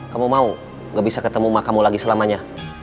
kamu mau gak bisa ketemu sama kamu lagi selamanya